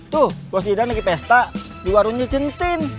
tuh bos idan lagi pesta di warungnya centin